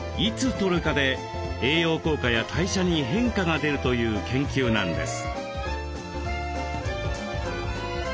とるかで栄養効果や代謝に変化が出るという研究なんです。